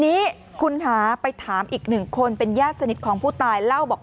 ทีนี้คุณค่ะไปถามอีกหนึ่งคนเป็นญาติสนิทของผู้ตายเล่าบอก